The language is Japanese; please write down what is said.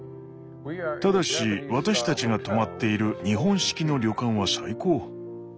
ただし私たちが泊まっている日本式の旅館は最高。